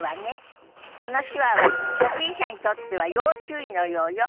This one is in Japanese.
この手話は初心者にとっては要注意のようよ。